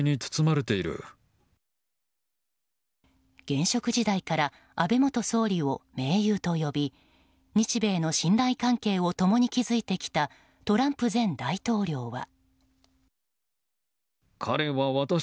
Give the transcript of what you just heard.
現職時代から安倍元総理を盟友と呼び日米の信頼関係を共に築いてきたトランプ前大統領は。